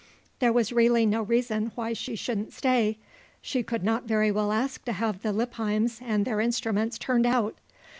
There was really no reason why she shouldn't stay. She could not very well ask to have the Lippheims and their instruments turned out.